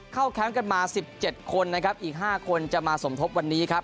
แคมป์กันมา๑๗คนนะครับอีก๕คนจะมาสมทบวันนี้ครับ